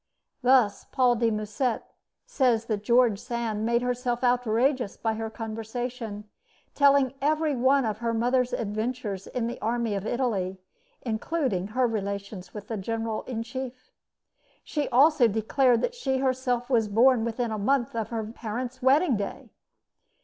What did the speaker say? Thus, Paul de Musset says that George Sand made herself outrageous by her conversation, telling every one of her mother's adventures in the army of Italy, including her relations with the general in chief. She also declared that she herself was born within a month of her parents' wedding day.